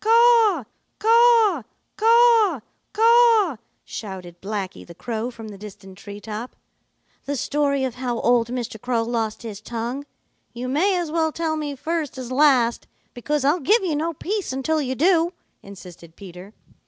"Caw, caw, caw, caw!" shouted Blacky the Crow from the distant tree top. "The story of how old Mr. Crow lost his tongue. You may as well tell me first as last, because I'll give you no peace until you do," insisted Peter.